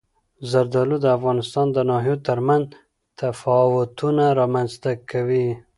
زردالو د افغانستان د ناحیو ترمنځ تفاوتونه رامنځته کوي.